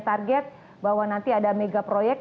target bahwa nanti ada mega proyek